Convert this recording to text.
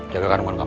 jaga kandungan kamu